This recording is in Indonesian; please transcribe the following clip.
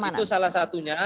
ya itu salah satunya